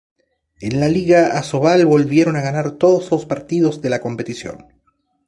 En la Liga Asobal volvieron a ganar todos los partidos de la competición.